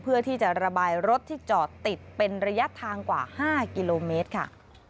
เพื่อที่จะระบายรถที่จอดติดเป็นระยะทางกว่า๕กิโลเมตรค่ะ